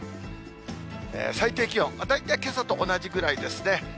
最低気温、大体けさと同じぐらいですね。